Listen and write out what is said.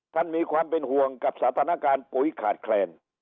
ท่านมีความเป็นห่วงกับสาธารณาการปุ๋ยขาดแคลน